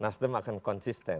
nasdem akan konsisten